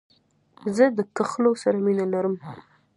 زه د کښلو سره مینه لرم.